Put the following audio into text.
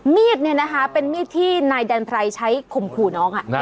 มีดเนี่ยนะคะเป็นมีดที่นายแดนไพรใช้ข่มขู่น้อง